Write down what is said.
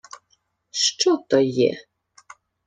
— Що то є?